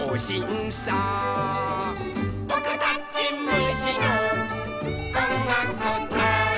「ぼくたちむしのおんがくたい」